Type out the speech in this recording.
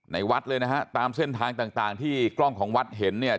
วัดเลยนะฮะตามเส้นทางต่างต่างที่กล้องของวัดเห็นเนี่ย